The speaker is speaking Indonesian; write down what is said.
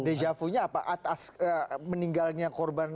deja vu nya apa atas meninggalnya korban